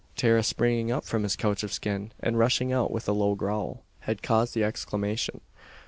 Tara springing up from his couch of skin, and rushing out with a low growl, had caused the exclamation.